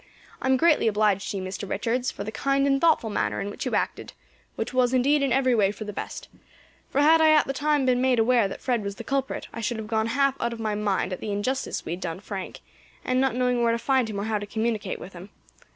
I am greatly obliged to you, Mr. Richards, for the kind and thoughtful manner in which you acted, which was indeed in every way for the best; for had I at the time been made aware that Fred was the culprit, I should have gone half out of my mind at the injustice we had done Frank, and at not knowing where to find him or how to communicate with him.